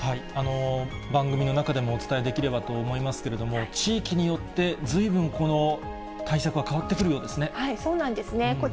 番組の中でもお伝えできればと思いますけれども、地域によってずいぶん対策は変わってくるようですね。